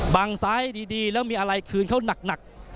ซ้ายดีแล้วมีอะไรคืนเขาหนัก